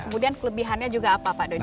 kemudian kelebihannya juga apa pak doni